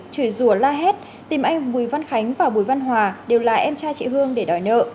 chửi rùa la hét tìm anh bùi văn khánh và bùi văn hòa đều là em trai chị hương để đòi nợ